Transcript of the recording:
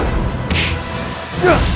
kau tidak akan menang